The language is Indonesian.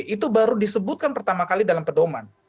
itu baru disebutkan pertama kali dalam pedoman